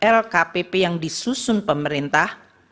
dan pemeriksaan terhadap lkpp yang disusun pemerintah